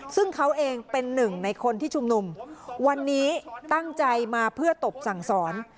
ซึ่งเขาเองเป็นหนึ่งในคนที่ชุมนุมวันนี้ตั้งใจมาเพื่อตบสั่งสอน